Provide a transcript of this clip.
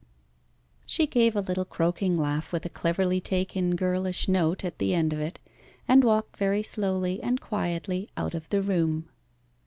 She gave a little croaking laugh with a cleverly taken girlish note at the end of it, and walked very slowly and quietly out of the room.